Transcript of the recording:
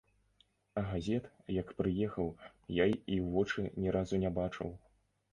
Газет, як прыехаў, я і ў вочы ні разу не бачыў.